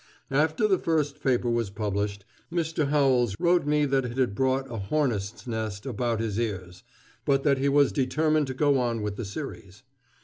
After the first paper was published, Mr. Howells wrote me that it had brought a hornets' nest about his ears, but that he was determined to go on with the series.